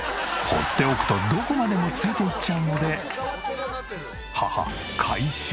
放っておくとどこまでもついていっちゃうので母回収。